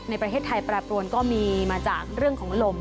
ในประเทศไทยแปรปรวนก็มีมาจากเรื่องของลม